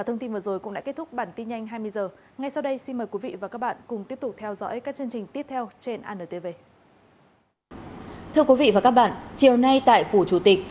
thưa quý vị và các bạn chiều nay tại phủ chủ tịch